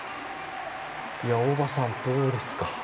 大場さん、どうですか？